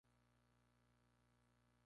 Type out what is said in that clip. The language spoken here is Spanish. Es guion es obra de Serena Luna.